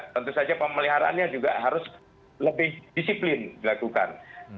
tentu saja pemeliharaannya juga harus lebih disiplin dilakukan